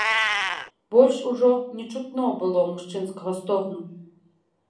Больш ужо не чутно было мужчынскага стогну.